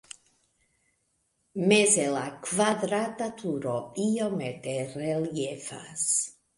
Meze la kvadrata turo iomete reliefas.